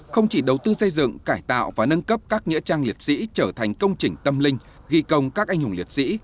không chỉ đầu tư xây dựng cải tạo và nâng cấp các nghĩa trang liệt sĩ trở thành công trình tâm linh ghi công các anh hùng liệt sĩ